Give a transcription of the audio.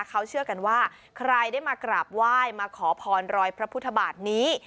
เขาเชื่อกันว่าใครได้มากราบไหว้มาขอพรรอยพระพุทธบาทนี้